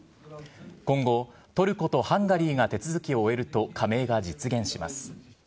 今後、トルコとハンガリーが手続きを終えると、加盟が実現します。